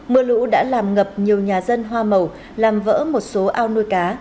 mưa lũ đã làm ngập nhiều nhà dân hoa màu làm vỡ một số ao nuôi cá